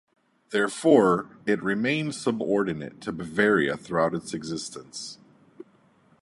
Therefore, it remained subordinate to Bavaria throughout its existence.